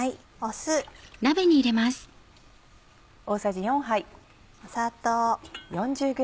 砂糖。